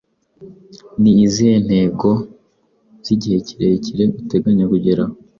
Ni izihe ntego zigihe kirekire uteganya kugeraho